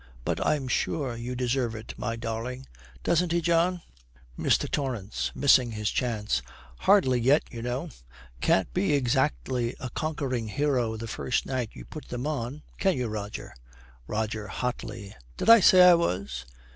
But I'm sure you deserve it, my darling. Doesn't he, John?' MR. TORRANCE, missing his chance, 'Hardly yet, you know. Can't be exactly a conquering hero the first night you put them on, can you, Roger?' ROGER, hotly, 'Did I say I was?'